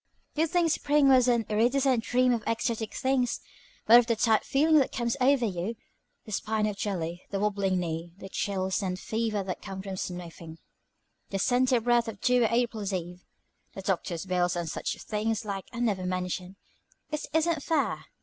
You'd think spring was an iridescent dream of ecstatic things; but of the tired feeling that comes over you, the spine of jelly, the wabbling knee, the chills and fever that come from sniffing 'the scented breath of dewy April's eve,' the doctor's bills, and such like things are never mentioned. It isn't fair.